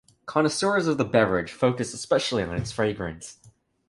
Connoisseurs of the beverage focus especially on its fragrance.